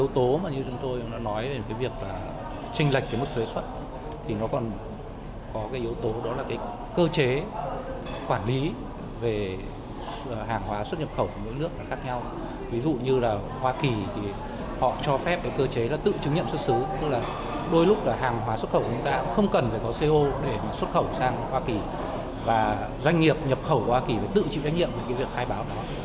để xuất khẩu sang hoa kỳ và doanh nghiệp nhập khẩu của hoa kỳ tự chịu doanh nghiệp với việc khai báo đó